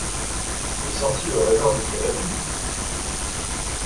Est sorti le rêveur de ce rêve inouï ?